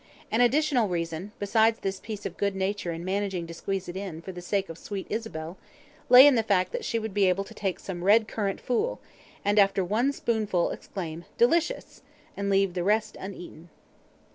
An additional reason, besides this piece of good nature in managing to squeeze it in, for the sake of sweet Isabel, lay in the fact that she would be able to take some red currant fool, and after one spoonful exclaim "Delicious", and leave the rest uneaten.